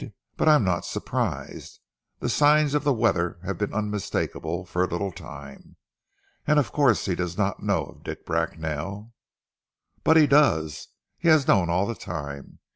But I am not surprised. The signs of the weather have been unmistakable for a little time. And of course he does not know of Dick Bracknell!" "But he does! He has known all the time.